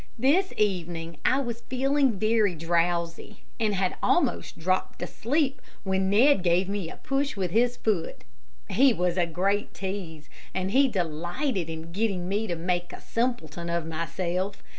This evening I was feeling very drowsy, and had almost dropped asleep, when Ned gave me a push with his foot. He was a great tease, and he delighted in getting me to make a simpleton of myself.